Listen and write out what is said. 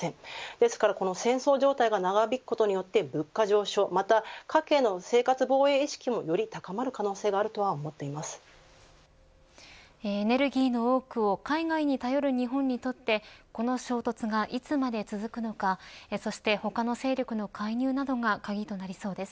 ですから、戦争状態が長引くことによって物価上昇また家計の生活防衛意識もより高まる可能性があるとエネルギーの多くを海外に頼る日本にとってこの衝突がいつまで続くのかそして他の勢力の介入などが鍵となりそうです。